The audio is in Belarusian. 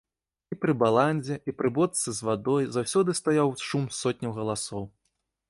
І пры баландзе і пры бочцы з вадой заўсёды стаяў шум сотняў галасоў.